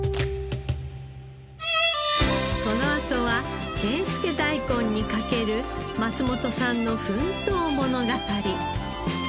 このあとは源助だいこんに賭ける松本さんの奮闘物語。